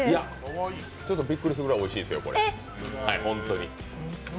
ちょっとびっくりするぐらい、おいしいですよ、ホントに。